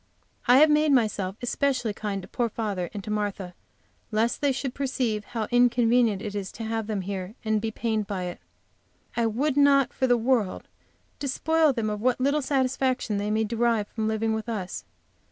I have made myself especially kind to poor father and to Martha lest they should perceive how inconvenient it is to have them here, and be pained by it. I would not for the world despoil them of what little satisfaction they may derive from living with us.